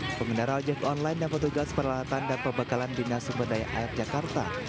pengendara ojek online dan petugas peralatan dan pembekalan dinas sumber daya air jakarta